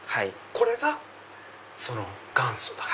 これが元祖だと。